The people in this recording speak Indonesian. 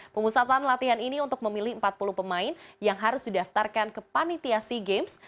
pemusatan latihan ini untuk memilih empat puluh pemain yang harus didaftarkan ke panitia sea games